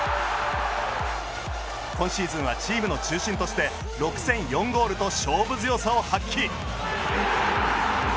今シーズンはチームの中心として６戦４ゴールと勝負強さを発揮。